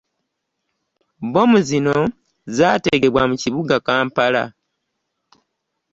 Bbomu zino zaategebwa mu kibuga Kampala